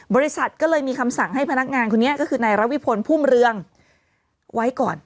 บริษัทก็เลยมีคำสั่งให้พนักงานคนนี้ก็คือนายระวิพลพุ่มเรืองไว้ก่อน